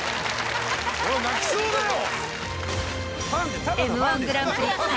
俺は泣きそうだよ！